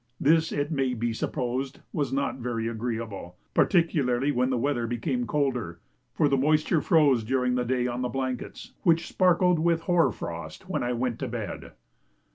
This, it may be supposed, was not very agreeable, particularly when the weather became colder, for the moisture froze during the day on the blankets, which sparkled with hoar frost when I went to bed.